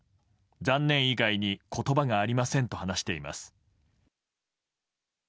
残念以外に言葉がありませんと話しています。